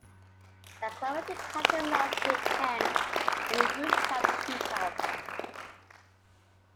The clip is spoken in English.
A climactic cat-and-mouse game ends in a rooftop shootout.